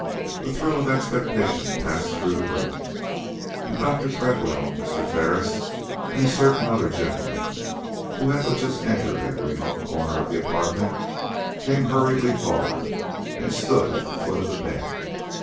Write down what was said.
a thrill of expectation passed through the room, and Dr. Tredwell, Mr. Ferris, and a certain other gentleman who had but just entered at a remote corner of the apartment, came hurriedly forward and stood at the foot of the bed.